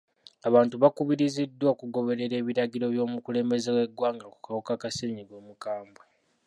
Abantu bakubiriziddwa okugoberera ebiragiro by'omukulembeze w'egwanga ku kawuka ka ssennyiga omukwambwe..